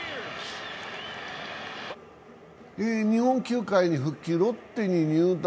日本球界に復帰、ロッテに入団。